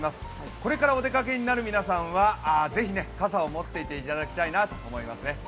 これからお出かけになる皆さんはぜひ傘を持っていっていただきたいなと思います。